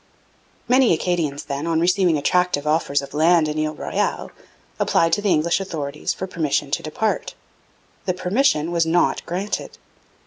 Many Acadians, then, on receiving attractive offers of land in Ile Royale, applied to the English authorities for permission to depart. The permission was not granted.